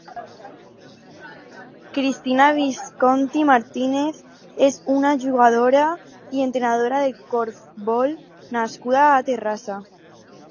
Cristina Visconti Martínez és una jugadora i entrenadora de corfbol nascuda a Terrassa.